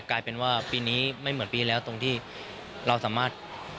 กลายเป็นว่าปีนี้ไม่เหมือนปีแล้วตรงที่เราสามารถ